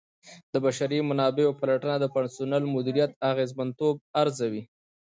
د بشري منابعو پلټنه د پرسونل مدیریت اغیزمنتوب ارزوي.